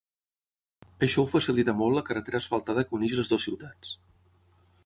Això ho facilita molt la carretera asfaltada que uneix les dues ciutats.